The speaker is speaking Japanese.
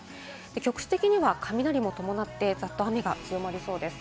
局地的には雷も伴ってザッと雨が強まりそうです。